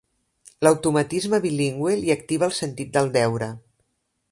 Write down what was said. L'automatisme bilingüe li activa el sentit del deure.